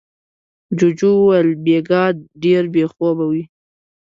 جوجو وويل: بېګا ډېر بې خوبه وې.